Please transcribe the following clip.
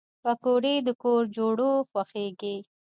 پکورې د کور جوړو خوښېږي